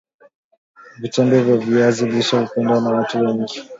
Vichembe vya viazi lishe hupendwa na watu wengi